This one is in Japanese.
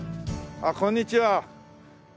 あっこんにちは。